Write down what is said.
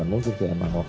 aku akan berubah